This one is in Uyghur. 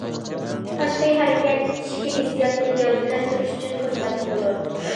تاشقى ھەرىكەت ئىچكى ھېسسىياتنى گەۋدىلەندۈرۈش ئۈچۈن خىزمەت قىلىدۇ.